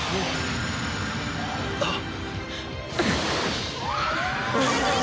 あっ！